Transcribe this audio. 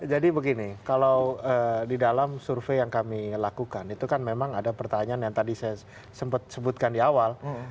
jadi begini kalau di dalam survei yang kami lakukan itu kan memang ada pertanyaan yang tadi saya sempat sebutkan di awal